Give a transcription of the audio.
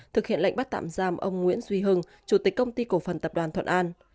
thực hiện lệnh bắt tạm giam ông nguyễn duy hưng chủ tịch công ty cổ phần tập đoàn thuận an